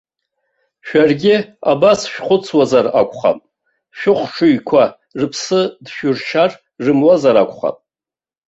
Шәаргьы абас шәхәыцуазар акәхап, шәыхшыҩқәа рыԥсы дшәыршьар рымуазар акәхап?